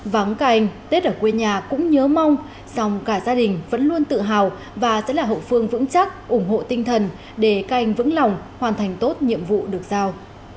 vắng cả anh tết ở quê nhà cũng nhớ mong song cả gia đình vẫn luôn tự hào và sẽ là hậu phương vững chắc ủng hộ tinh thần để cả anh vững lòng hoàn thành tốt nhiệm vụ được sao